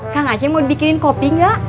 kang aceh mau dibikinin kopi ga